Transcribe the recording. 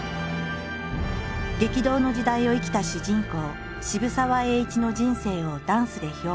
激動の時代を生きた主人公渋沢栄一の人生をダンスで表現。